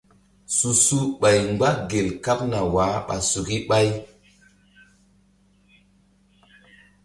Su-su ɓay mgba gel kaɓna wah ɓa suk ɓay.